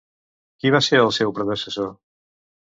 Qui va ser el seu predecessor?